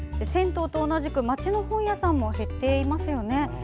銭湯と同じく町の本屋さんも減っていますよね。